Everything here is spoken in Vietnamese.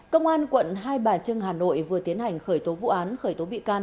công an quận hai bà trưng hà nội vừa tiến hành khởi tố vụ án khởi tố bị can